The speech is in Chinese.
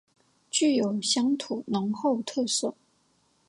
具有乡土浓厚特色